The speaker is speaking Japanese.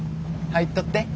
入っとって。